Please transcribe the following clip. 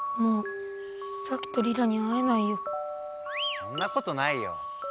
そんなことないよ。